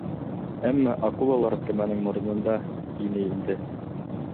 Әммә акулалар кәмәнең морононда ине инде.